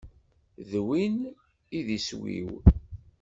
D win i d iswi-w.